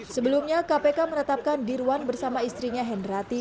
sebelumnya kpk menetapkan dirwan bersama istrinya hendrati